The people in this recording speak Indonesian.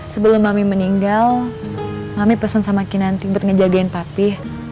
sebelum mami meninggal mami pesen sama kinanti buat ngejagain patih